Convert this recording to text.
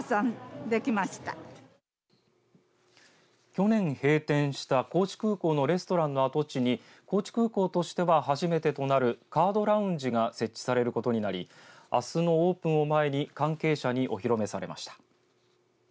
去年閉店した高知空港のレストランの跡地に高知空港としては初めてとなるカードラウンジが設置されることになりあすのオープンを前に関係者にお披露目されました。